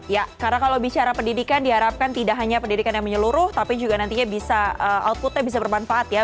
ya karena kalau bicara pendidikan diharapkan tidak hanya pendidikan yang menyeluruh tapi juga nantinya bisa outputnya bisa bermanfaat ya